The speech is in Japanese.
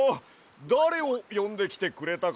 だれをよんできてくれたかや？